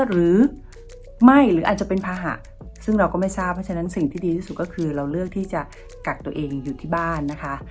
หรือไม่หรืออาจจะเป็นภาหะซึ่งเราก็ไม่ทราบเพราะฉะนั้นสิ่งที่ดีที่สุดก็คือเราเลือกที่จะกักตัวเองอยู่ที่บ้านนะคะ